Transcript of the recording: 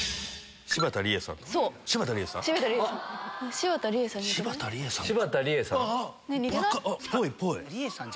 柴田理恵さん。